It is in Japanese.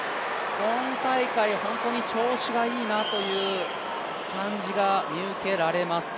今大会、本当に調子がいいなという感じが見受けられます。